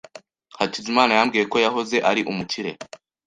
Hakizimana yambwiye ko yahoze ari umukire.